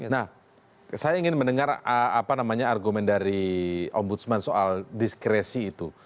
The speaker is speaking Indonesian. nah saya ingin mendengar apa namanya argumen dari ombudsman soal diskresi itu